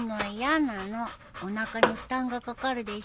おなかに負担がかかるでしょ。